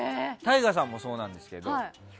ＴＡＩＧＡさんもそうなんですけど。